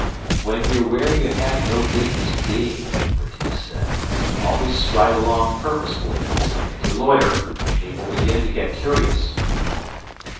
"When you're where you have no business being," Retief said, "always stride along purposefully. If you loiter, people begin to get curious."